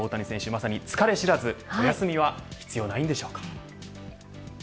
大谷選手、疲れ知らず休みは必要ないんでしょうか。